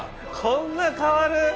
こんな変わる？